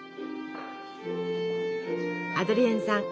アドリエンさん